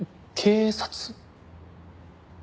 警察？